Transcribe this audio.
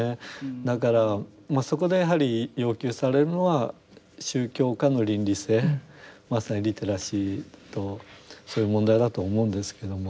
だからそこでやはり要求されるのは宗教家の倫理性まさにリテラシーとそういう問題だと思うんですけども。